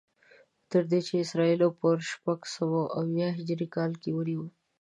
تر دې چې اسرائیلو په شپږسوه او اویا هجري کال کې ونیو.